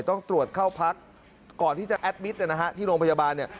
ต้องตรวจเข้าพักก่อนที่จะแอดมิตรที่โรงพยาบาล